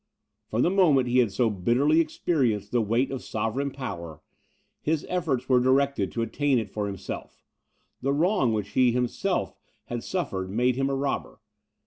From the moment he had so bitterly experienced the weight of sovereign power, his efforts were directed to attain it for himself; the wrong which he himself had suffered made him a robber.